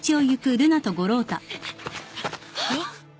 はっ！